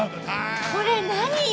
これ何よ？